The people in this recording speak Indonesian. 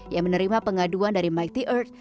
yang menerima pengaduan dari myt earth